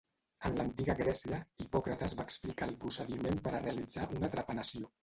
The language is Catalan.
En l'antiga Grècia, Hipòcrates va explicar el procediment per a realitzar una trepanació.